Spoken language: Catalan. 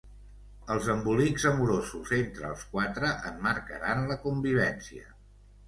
Els embolics amorosos entre els quatre en marcaran la convivència.